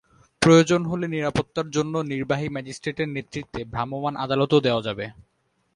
প্রয়োজন হলে নিরাপত্তার জন্য নির্বাহী ম্যাজিস্ট্রেটের নেতৃত্বে ভ্রাম্যমাণ আদালতও দেওয়া যাবে।